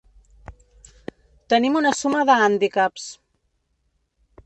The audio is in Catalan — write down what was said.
Tenim una suma de hàndicaps.